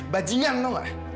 bajingan tau gak